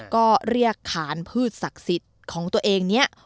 ก็เรียกขานพืชศักดิ์สิทธิ์ของตัวเองนี้